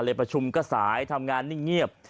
ประชุมก็สายทำงานนิ่งเงียบ